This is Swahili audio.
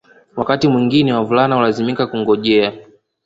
Wakati mwingine wavulana hulazimika kungojea